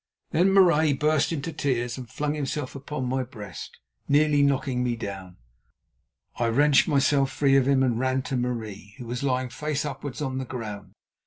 _" Then Marais burst into tears and flung himself upon my breast, nearly knocking me down. I wrenched myself free of him and ran to Marie, who was lying face upwards on the ground.